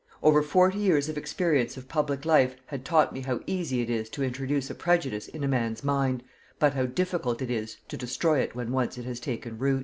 Over forty years of experience of public life had taught me how easy it is to introduce a prejudice in a man's mind, but how difficult it is to destroy it when once it has taken root.